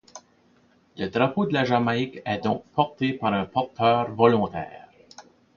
Le drapeau de la Jamaïque est donc porté par un porteur volontaire.